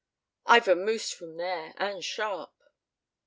I vamoosed from there, and sharp."